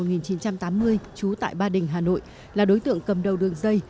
trú tại ba đình hà nội là đối tượng cầm đầu đường dây